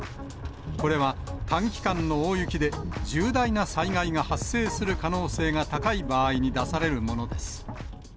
これは、短期間の大雪で、重大な災害が発生する可能性が高い場合に出されるものです。